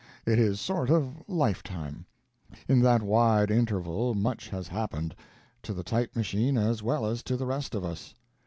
It is a sort of lifetime. In that wide interval much has happened to the type machine as well as to the rest of us.